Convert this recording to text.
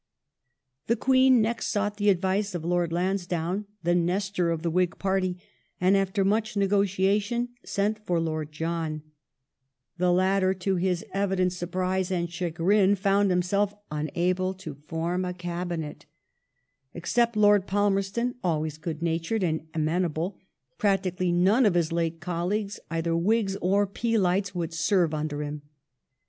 2 The Queen next sought the advice of Lord Lansdownc — the Nestor of the Whig party, and after much negotiation sent for Lord John, The latter, to his evident surprise and chagrin, found himself unable to form a Cabinet Except Lord Palmerston, always good natured and amenable, practically none of his late colleagues, either Whigs or Peelites, would sei*ve under him.